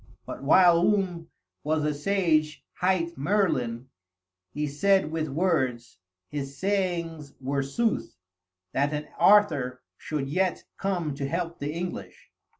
But whilom was a sage hight Merlin; he said with words, his sayings were sooth, that an Arthur should yet come to help the English."